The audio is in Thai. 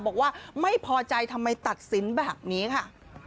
บอกว่าไม่พอใจทำไมตัดสินแบบนี้ค่ะ